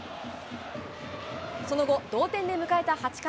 その後、同点で迎えた８回。